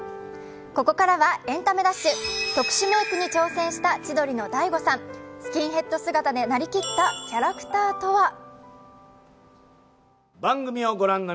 ここからは「エンタメダッシュ」特殊メイクに挑戦した千鳥の大悟さん、スキンヘッド姿でなりきったキャラクターとは？